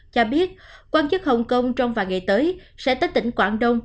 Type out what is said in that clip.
cho biết quan chức hồng kông trong vài ngày tới sẽ tới tỉnh quảng đông